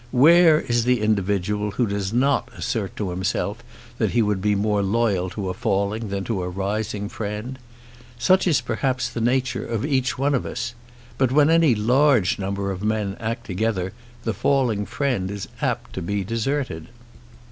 Where is the individual who does not assert to himself that he would be more loyal to a falling than to a rising friend? Such is perhaps the nature of each one of us. But when any large number of men act together, the falling friend is apt to be deserted.